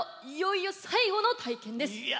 いよいよ最後の体験です。